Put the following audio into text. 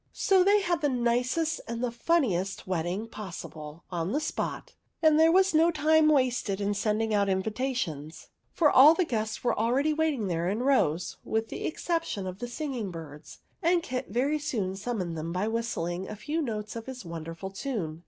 So they had the nicest and the funniest wed ding possible, on the spot ; and there was no time wasted in sending out invitations, for all the guests were already waiting there in rows — with the exception of the singing birds ; and Kit very soon summoned them by whis tling a few notes of his wonderful tune.